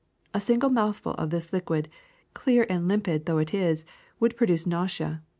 A single mouthful of this liquid, clear and limpid though it is, would produce nausea.